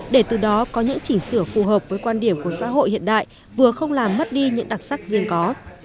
để từ đó có những chỉnh sửa phù hợp với quan điểm của xã hội hiện đại vừa không làm mất đi những đặc sắc riêng có